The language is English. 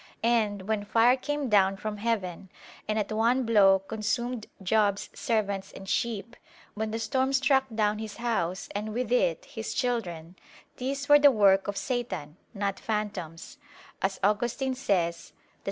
And "when fire came down from heaven and at one blow consumed Job's servants and sheep; when the storm struck down his house and with it his children these were the work of Satan, not phantoms"; as Augustine says (De Civ.